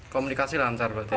komunikasi lancar berarti ya